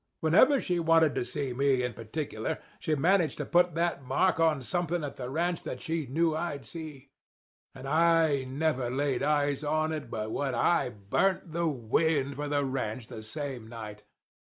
Whenever she wanted to see me in particular she managed to put that mark on somethin' at the ranch that she knew I'd see. And I never laid eyes on it but what I burnt the wind for the ranch the same night.